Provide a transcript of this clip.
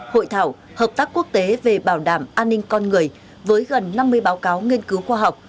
hội thảo hợp tác quốc tế về bảo đảm an ninh con người với gần năm mươi báo cáo nghiên cứu khoa học